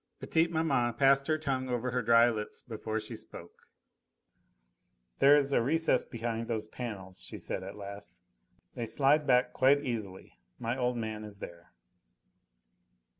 Petite maman passed her tongue over her dry lips before she spoke. "There's a recess behind those panels," she said at last. "They slide back quite easily. My old man is there."